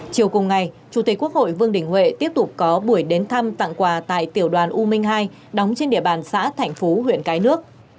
chiều cùng ngày chủ tịch quốc hội vương đình huệ tiếp tục có buổi đến thăm tặng quà tại tiểu đoàn u minh hai đóng trên địa bàn xã thạnh phú huyện cái nước